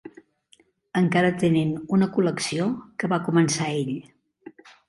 Encara tenen una col·lecció que va començar ell.